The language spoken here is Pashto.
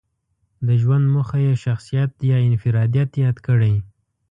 د ژوند موخه یې شخصيت يا انفراديت ياد کړی.